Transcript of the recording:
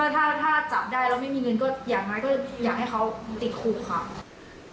อย่างไรก็อยากให้เขาติดคุกค่ะ